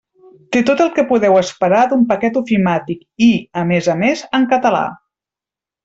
Té tot el que podeu esperar d'un paquet ofimàtic i, a més a més, en català.